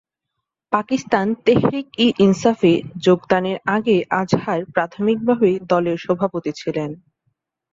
পাকিস্তান তেহরিক-ই-ইনসাফে যোগদানের আগে আজহার প্রাথমিকভাবে দলের সভাপতি ছিলেন।